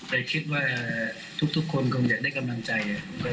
แต่คิดว่าทุกคนคงอยากได้กำลังใจ